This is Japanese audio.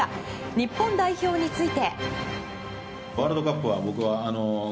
日本代表について。